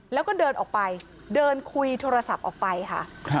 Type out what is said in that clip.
แล้วก็เดินออกไปเดินคุยโทรศัพท์ออกไปค่ะ